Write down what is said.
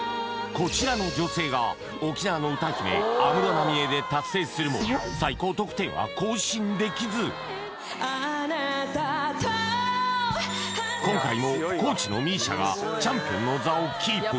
こちらの女性が沖縄の歌姫安室奈美恵で達成するもあなたと今回も高知のＭＩＳＩＡがチャンピオンの座をキープ